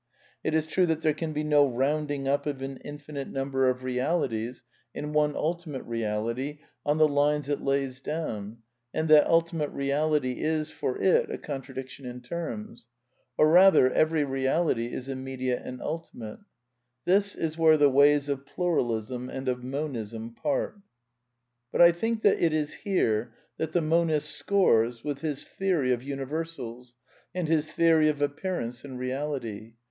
It is true that there can be no rounding up of an infinite number of THE NEW KEALISM 287 realities in one Ultimate Bealitj on the lines it lays down ; and that ultimate reality is, for it, a contradiction in terms ; or rather, every reality is immediate and ultimate. This is where the ways of Pluralism and of Monism— \^ part. But I think that it is here that the monist scores with his theory of universals and his theory of appearance and reality.